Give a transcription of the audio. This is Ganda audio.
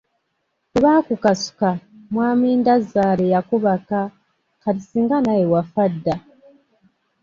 Bwe baakukasuka, mwami Ndazaale yakubaka, kati singa naawe wafa dda.